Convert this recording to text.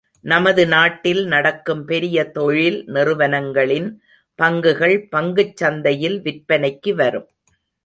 நமது நாட்டில் நடக்கும் பெரிய தொழில் நிறுவனங்களின் பங்குகள் பங்குச் சந்தையில் விற்பனைக்கு வரும்.